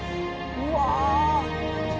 うわ。